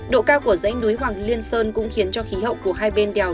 độ cao của rãnh núi hoàng liên sơn cũng khiến cho khí hậu của hai bên đèo